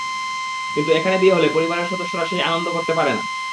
কিন্তু এখানে বিয়ে হলে পরিবারের সদস্যরা সেই আনন্দ করতে পারে না।